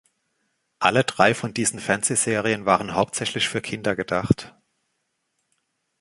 Alle drei von diesen Fernsehserien waren hauptsächlich für Kinder gedacht.